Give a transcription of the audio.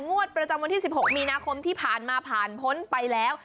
งวดประจำวันที่๑๖มีนาคมที่ผ่านมาผ่านพ้นไปแล้ว